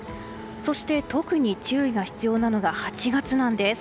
そして特に注意が必要なのが８月なんです。